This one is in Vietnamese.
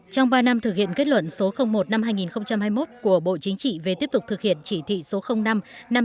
trong ba năm thực hiện kết luận số một năm hai nghìn hai mươi một của bộ chính trị về tiếp tục thực hiện chỉ thị số năm năm hai nghìn hai mươi ba